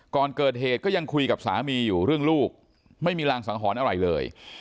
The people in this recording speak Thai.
ก่อนเกิดเหตุก็ยังคุยกับสามีอยู่เรื่องลูกไม่มีรางสังหรณ์อะไรเลย